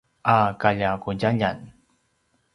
a kaljaqudjaljan